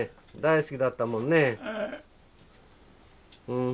うん？